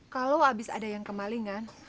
kalau habis ada yang kemalingan